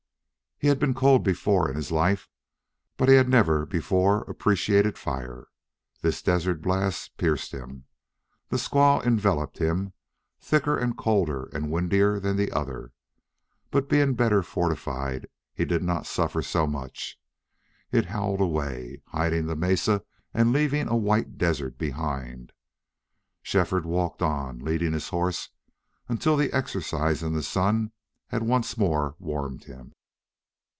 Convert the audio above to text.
He had been cold before in his life but he had never before appreciated fire. This desert blast pierced him. The squall enveloped him, thicker and colder and windier than the other, but, being better fortified, he did not suffer so much. It howled away, hiding the mesa and leaving a white desert behind. Shefford walked on, leading his horse, until the exercise and the sun had once more warmed him.